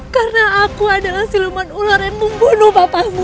karena aku adalah siluman ular yang membunuh papa kamu